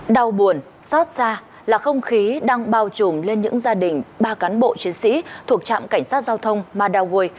đau buồn xót xa là không khí đang bao trùm lên những gia đình ba cán bộ chiến sĩ thuộc trạm cảnh sát giao thông madaway